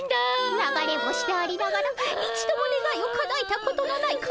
流れ星でありながら一度もねがいをかなえたことのないかなえさま。